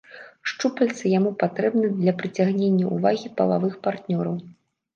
Шчупальцы яму патрэбны для прыцягнення ўвагі палавых партнёраў.